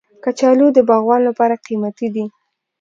کچالو د باغوان لپاره قیمتي دی